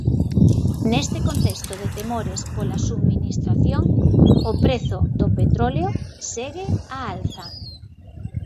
Neste contexto de temores pola subministración, o prezo do petróleo segue á alza.